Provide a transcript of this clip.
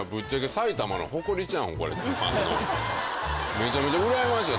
めちゃめちゃうらやましいわ。